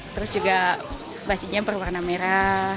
terus juga basinya berwarna merah